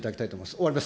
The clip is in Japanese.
終わります。